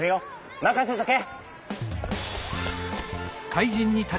まかせとけ！